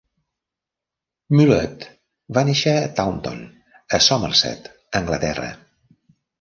Mullett va néixer a Taunton, a Somerset, Anglaterra.